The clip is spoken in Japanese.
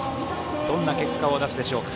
どんな結果を出すでしょうか。